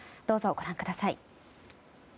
どうぞご覧ください。